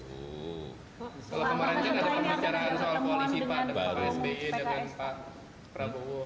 kalau kemarin kan ada pembicaraan soal koalisi pak dengan pak rambu pak prabowo